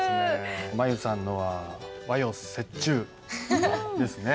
舞悠さんのは和洋折衷ですね。